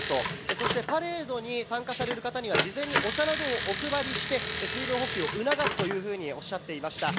そしてパレードに参加される方には事前にお茶などをお配りして、水分補給を促すというふうにおっしゃっていました。